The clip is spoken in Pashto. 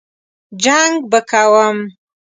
جنګ به کوم.